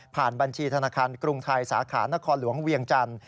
บัญชีธนาคารกรุงไทยสาขานครหลวงเวียงจันทร์